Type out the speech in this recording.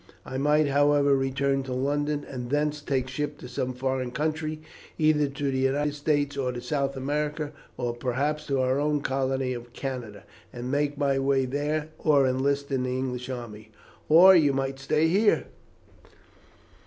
I might, however, return to London, and thence take ship to some foreign country either to the United States or to South America, or perhaps to our own colony of Canada, and make my way there or enlist in the English army." "Or you might stay here?"